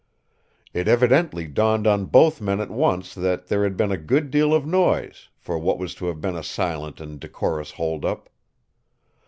It evidently dawned on both men at once that there had been a good deal of noise, for what was to have been a silent and decorous holdup.